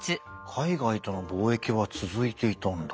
海外との貿易は続いていたんだ。